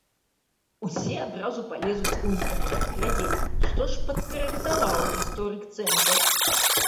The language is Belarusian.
Усе адразу палезуць у інтэрнэт глядзець, што ж падкарэктаваў гісторык-цэнзар.